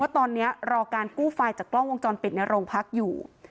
ตอนนี้รอการกู้ไฟล์จากกล้องวงจรปิดในโรงพักอยู่